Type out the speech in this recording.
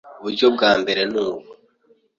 Uburyo bwa mbere nubu